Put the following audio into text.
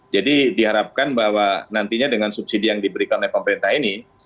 jadi diharapkan bahwa nantinya dengan subsidi yang diberikan oleh pemerintah ini